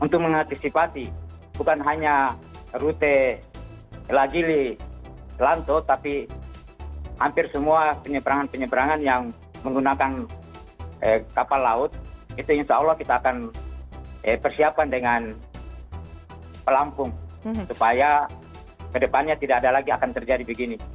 untuk mengantisipikan bukan hanya rute ladili dan lampun tapi hampir semua penyeberangan penyeberangan yang menggunakan kapal laut kita akan persiapkan dengan pelompong supaya kedepannya tidak ada lagi akan terjadi begini ranaem